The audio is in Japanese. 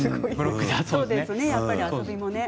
そうですね、やっぱり遊びもね。